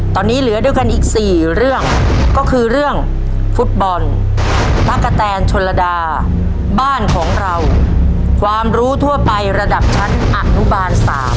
ตอนนี้เหลือด้วยกันอีก๔เรื่องก็คือเรื่องฟุตบอลตะกะแตนชนระดาบ้านของเราความรู้ทั่วไประดับชั้นอนุบาล๓